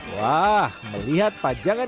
wah melihat pajangan